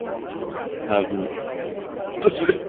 আপনি কি আসবেন?